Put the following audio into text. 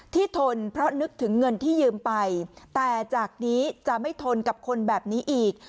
ทนเพราะนึกถึงเงินที่ยืมไปแต่จากนี้จะไม่ทนกับคนแบบนี้อีก